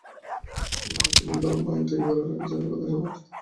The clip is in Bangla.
কোনো নীতিনির্ধারণ বা আইন তৈরি করার আগে যাঁদের কথা শোনা উচিত।